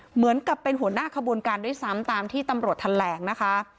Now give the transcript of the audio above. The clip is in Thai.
เหมือนกับเป็นหัวหน้าขบวนการด้วยซ้ำตามที่ตำรวจแถลงนะคะ